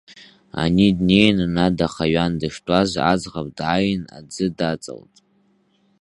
Ани днеин ана дахаҩан дыштәаз, аӡӷаб дааин, аӡы даҵалт.